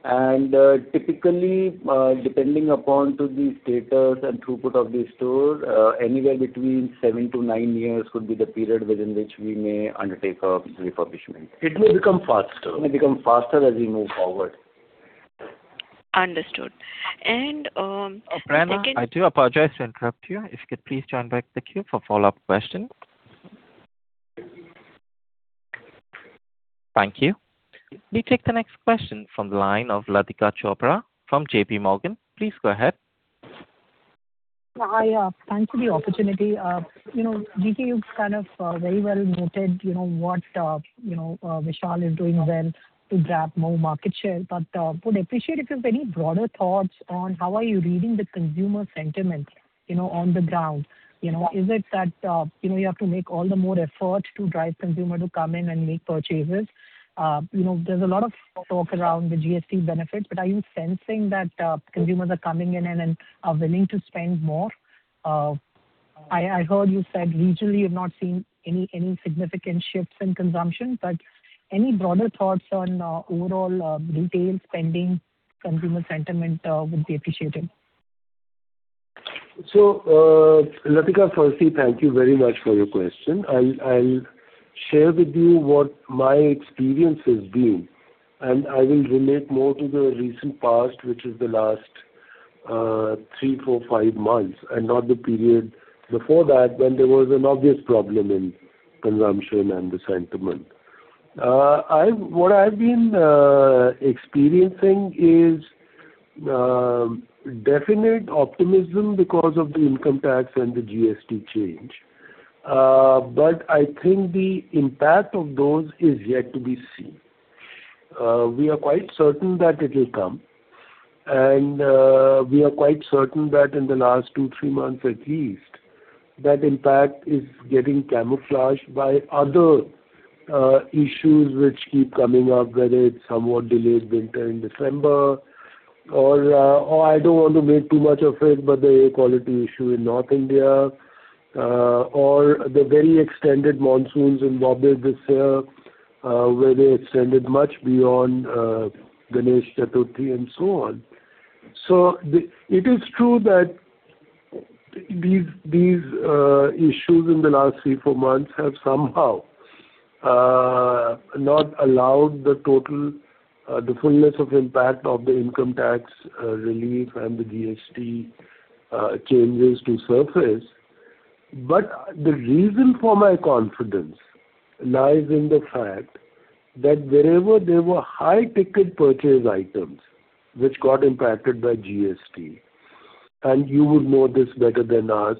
And, typically, depending upon to the status and throughput of the store, anywhere between 7-9 years would be the period within which we may undertake a refurbishment. It may become faster. It may become faster as we move forward. Understood. And, second- Prerna, I do apologize to interrupt you. If you could please join back the queue for follow-up question. Thank you. We take the next question from the line of Latika Chopra from J.P. Morgan. Please go ahead. Hi, thanks for the opportunity. You know, GK, you've kind of very well noted, you know, what Vishal is doing well to grab more market share. But would appreciate if you have any broader thoughts on how are you reading the consumer sentiment, you know, on the ground? You know, is it that you know, you have to make all the more effort to drive consumer to come in and make purchases? You know, there's a lot of talk around the GST benefits, but are you sensing that consumers are coming in and are willing to spend more? I heard you said regionally you've not seen any significant shifts in consumption, but any broader thoughts on overall retail spending, consumer sentiment would be appreciated. So, Latika, firstly, thank you very much for your question. I'll share with you what my experience has been, and I will relate more to the recent past, which is the last three, four, five months, and not the period before that, when there was an obvious problem in consumption and the sentiment. What I've been experiencing is definite optimism because of the income tax and the GST change. But I think the impact of those is yet to be seen. We are quite certain that it'll come, and we are quite certain that in the last 2-3 months at least, that impact is getting camouflaged by other issues which keep coming up, whether it's somewhat delayed winter in December, or I don't want to make too much of it, but the air quality issue in North India, or the very extended monsoons in Mumbai this year, where they extended much beyond Ganesh Chaturthi, and so on. So, it is true that these issues in the last 3-4 months have somehow not allowed the total, the fullness of impact of the income tax relief and the GST changes to surface. But the reason for my confidence lies in the fact that wherever there were high-ticket purchase items which got impacted by GST, and you would know this better than us,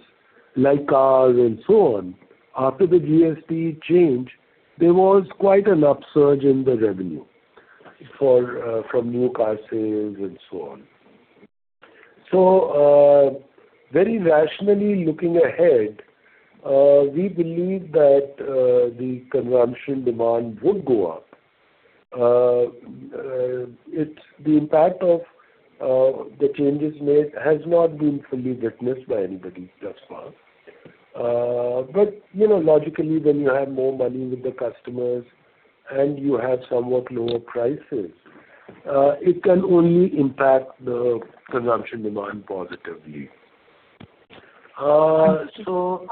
like cars and so on, after the GST change, there was quite an upsurge in the revenue from new car sales and so on. So, very rationally looking ahead, we believe that the consumption demand would go up. It's the impact of the changes made has not been fully witnessed by anybody thus far. But, you know, logically, when you have more money with the customers and you have somewhat lower prices, it can only impact the consumption demand positively. So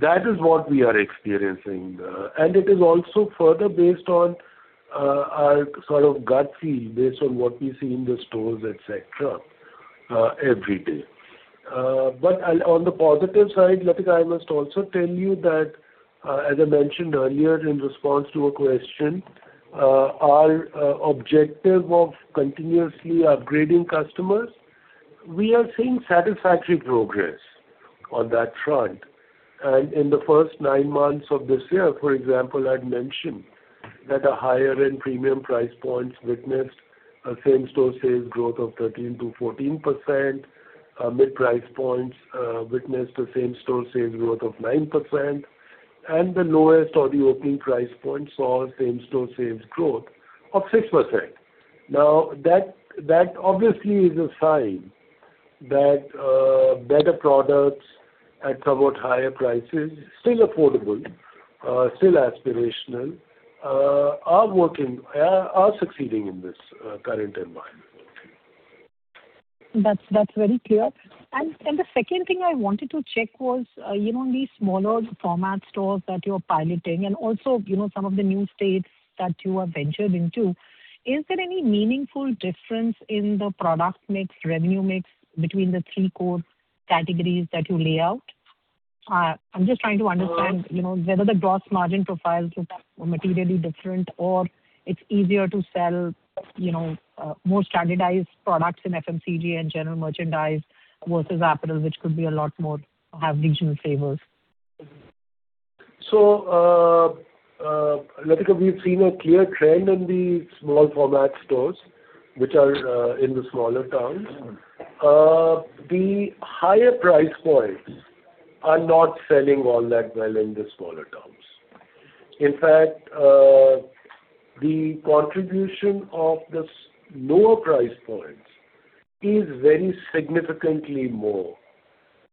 that is what we are experiencing. And it is also further based on our sort of gut feel, based on what we see in the stores, et cetera, every day. But on the positive side, Latika, I must also tell you that, as I mentioned earlier in response to a question, our objective of continuously upgrading customers, we are seeing satisfactory progress on that front. And in the first nine months of this year, for example, I'd mentioned that our higher end premium price points witnessed a same-store sales growth of 13%-14%, mid price points witnessed a same-store sales growth of 9%, and the lowest or the opening price points saw same-store sales growth of 6%. Now, that obviously is a sign that better products at somewhat higher prices, still affordable, still aspirational, are working, are succeeding in this current environment. That's very clear. And the second thing I wanted to check was, you know, these smaller format stores that you're piloting and also, you know, some of the new states that you have ventured into, is there any meaningful difference in the product mix, revenue mix, between the three core categories that you lay out? I'm just trying to understand, you know, whether the gross margin profiles are materially different or it's easier to sell, you know, more standardized products in FMCG and general merchandise versus apparel, which could be a lot more, have regional flavors. So, Latika, we've seen a clear trend in the small format stores which are in the smaller towns. The higher price points are not selling all that well in the smaller towns. In fact, the contribution of the lower price points is very significantly more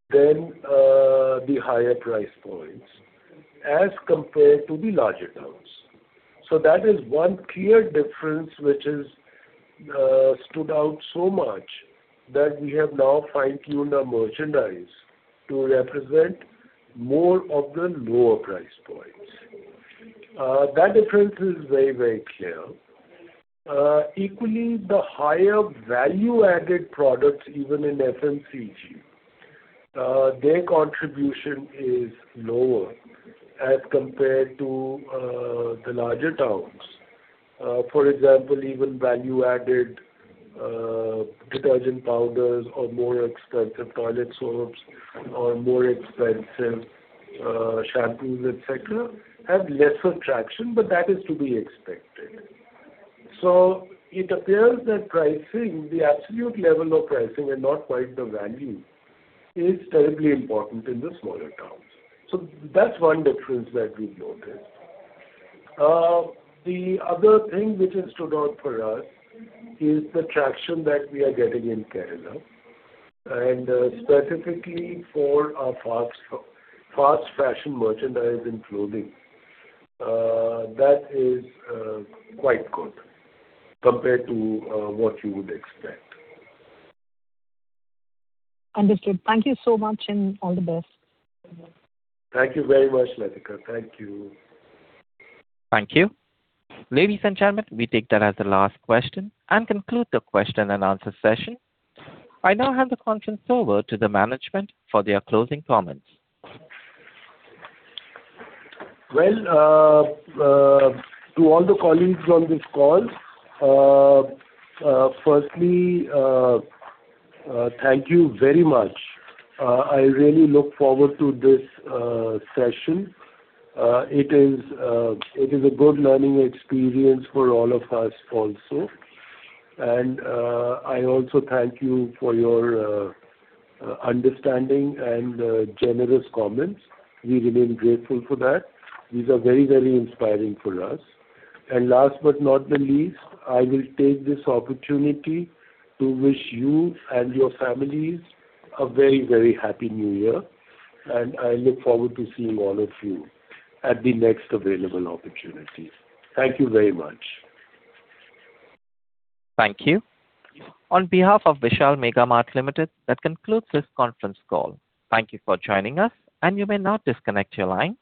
than the higher price points, as compared to the larger towns. So that is one clear difference which is stood out so much, that we have now fine-tuned our merchandise to represent more of the lower price points. That difference is very, very clear. Equally, the higher value-added products, even in FMCG, their contribution is lower as compared to the larger towns. For example, even value-added detergent powders or more expensive toilet soaps or more expensive shampoos, et cetera, have lesser traction, but that is to be expected. So it appears that pricing, the absolute level of pricing and not quite the value, is terribly important in the smaller towns. So that's one difference that we've noticed. The other thing which has stood out for us is the traction that we are getting in Kerala, and specifically for our fast fashion merchandise and clothing. That is quite good compared to what you would expect. Understood. Thank you so much, and all the best. Thank you very much, Latika. Thank you. Thank you. Ladies and gentlemen, we take that as the last question and conclude the question and answer session. I now hand the conference over to the management for their closing comments. Well, to all the colleagues on this call, firstly, thank you very much. I really look forward to this session. It is a good learning experience for all of us also. I also thank you for your understanding and generous comments. We remain grateful for that. These are very, very inspiring for us. Last but not the least, I will take this opportunity to wish you and your families a very, very happy new year, and I look forward to seeing all of you at the next available opportunity. Thank you very much. Thank you. On behalf of Vishal Mega Mart Limited, that concludes this conference call. Thank you for joining us, and you may now disconnect your line.